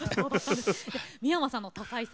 で三山さんの多才さ